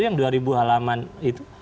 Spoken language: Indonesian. yang dua ribu halaman itu